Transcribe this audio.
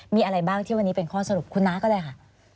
มีอะไรบ้างที่วันนี้เป็นข้อสรุปคุณน้าก็ได้ค่ะ